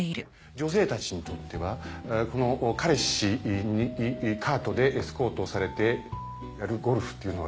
女性たちにとってはこの彼氏にカートでエスコートされてやるゴルフっていうのはですね